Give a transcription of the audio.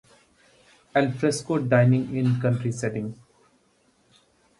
Alfresco dining in country setting.